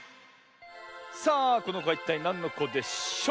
さあこのこはいったいなんのこでしょう？